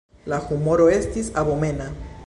La humoro estis abomena.